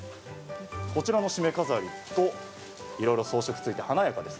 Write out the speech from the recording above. こちらのしめ飾りといろいろ装飾ついて華やかです。